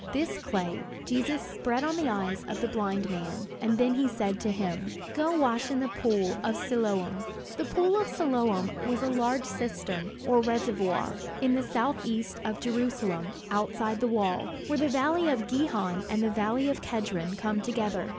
This clay Jesus spread on the eyes of the blind man; and then he said to him: "Go wash in the pool of Siloam." The pool of Siloam was a large cistern, or, reservoir, on the southeast of Jerusalem, outside the wall, where the valley of Gihon and the valley of Kedron come together.